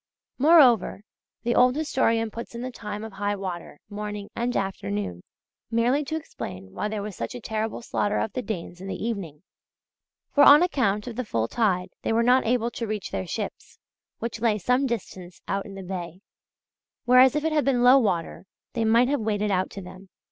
Moreover, the old historian puts in the time of high water, morning and afternoon, merely to explain why there was such terrible slaughter of the Danes in the evening; for on account of the full tide they were not able to reach their ships, which lay some distance out in the bay, whereas if it had been low water they might have waded out to them.